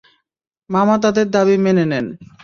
মামা তার দাবি মেনে নেন।